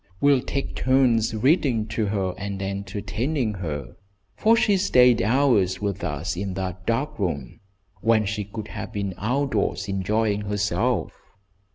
We'll take turns reading to her and entertaining her, for she stayed hours with us in that dark room when she could have been outdoors enjoying herself."